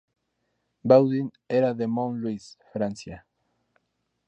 Baudin era de Mont-Louis, Francia.